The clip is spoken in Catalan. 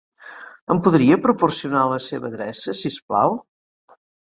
Em podria proporcionar la seva adreça, si us plau?